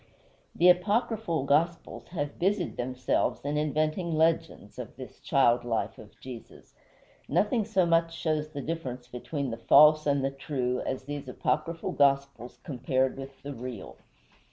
The apocryphal gospels have busied themselves in inventing legends of this child life of Jesus. Nothing so much shows the difference between the false and the true as these apocryphal gospels compared with the real.